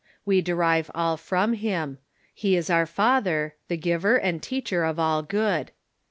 We derive all from him. He is our Father, the Giver and Teacher of all good.